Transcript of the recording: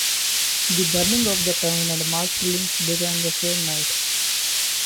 The burning of the town and mass killings began the same night.